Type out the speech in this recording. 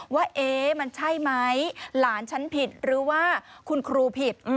ว่าเอ๊ะมันใช่ไหมหลานฉันผิดหรือว่าคุณครูผิด